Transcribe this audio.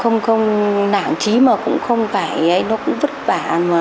không nản trí mà cũng không phải nó cũng vất vả